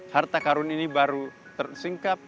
harta karun ini baru tersingkap